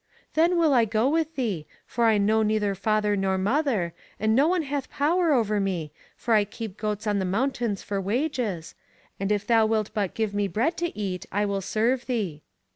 Then will I go with thee, for I know neither father nor mother, and no one hath power over me, for I keep goats on the mountains for wages, and if thou wilt but give me bread to eat I will serve thee.